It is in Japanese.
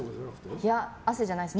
汗じゃないです。